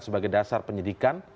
sebagai dasar penyidikan